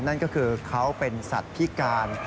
นั่นก็คือเขาเป็นสัตว์พิการ